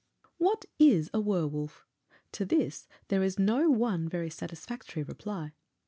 What is a werwolf? To this there is no one very satisfactory reply.